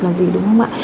là gì đúng không ạ